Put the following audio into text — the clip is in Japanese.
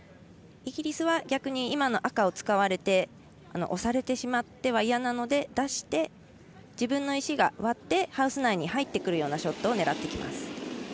イギリスは逆に今の赤を使われて押されてしまっては嫌なので出して、自分の石が割ってハウス内に入ってくるようなショットを狙います。